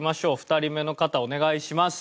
２人目の方お願いします。